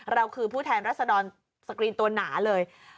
เราคือผู้แทนรัศดรสกรีนตัวหนาเลย